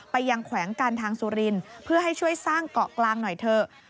ไปยังแขวงการทางสุรินทร์เพื่อให้ช่วยสร้างเกาะกลางหน่อยเถอะ